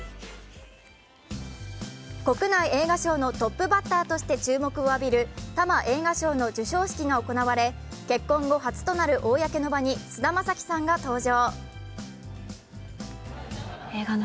国内映画賞のトップバッターとして注目を浴びるＴＡＭＡ映画賞結婚後初となる公の場に菅田将暉さんが登場。